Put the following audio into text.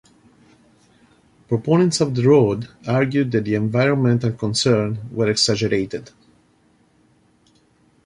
Proponents of the road argued that the environmental concerns were exaggerated.